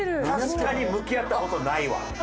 確かに向き合った事ないわ。